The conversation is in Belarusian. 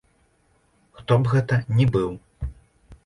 Хто б гэта ні быў.